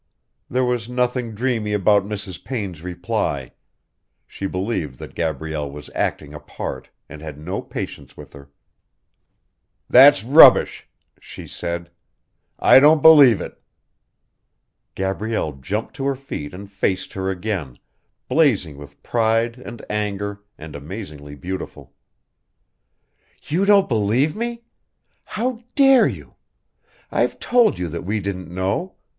There was nothing dreamy about Mrs. Payne's reply. She believed that Gabrielle was acting a part, and had no patience with her. "That's rubbish," she said. "I don't believe it." Gabrielle jumped to her feet and faced her again, blazing with pride and anger and amazingly beautiful. "You don't believe me? How dare you? I've told you that we didn't know.